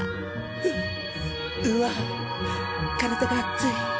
ううわっ体が熱い。